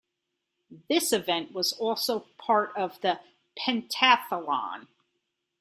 This event was also part of the pentathlon.